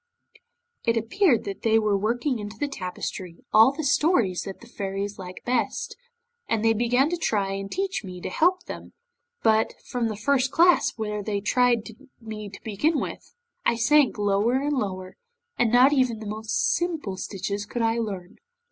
'It appeared that they were working into the tapestry all the stories the Fairies liked best, and they began to try and teach me to help them, but from the first class, where they tried me to begin with, I sank lower and lower, and not even the most simple stitches could I learn.